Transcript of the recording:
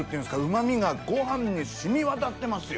うまみがご飯に染み渡ってますよ。